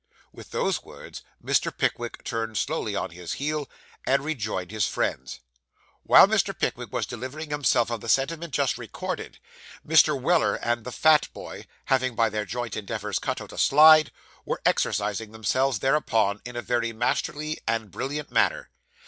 With those words, Mr. Pickwick turned slowly on his heel, and rejoined his friends. While Mr. Pickwick was delivering himself of the sentiment just recorded, Mr. Weller and the fat boy, having by their joint endeavours cut out a slide, were exercising themselves thereupon, in a very masterly and brilliant manner.